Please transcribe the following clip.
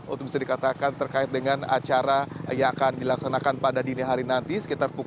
untuk bisa dikatakan terkait dengan acara yang akan dilaksanakan pada dini hari nanti